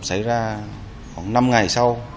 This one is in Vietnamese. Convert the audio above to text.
xảy ra khoảng năm ngày sau